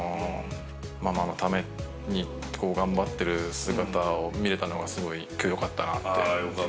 ママのために、頑張っている姿を見れたのが、すごい、きょう、よかったなって。